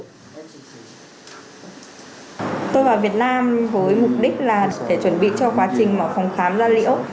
tôi vào việt nam với mục đích là để chuẩn bị cho quá trình mở phòng khám da liễu